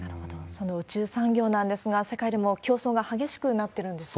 その宇宙産業なんですが、世界でも競争が激しくなってるんですよね。